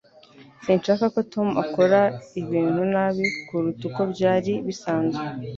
Sinshaka ko Tom akora ibintu nabi kuruta uko byari bisanzwe.